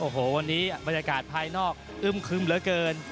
โอ้โหวันนี้บรรยากาศภายนอกอึ้มคึมเหลือเกิน